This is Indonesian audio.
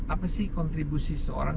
apa sih kontribusi seorang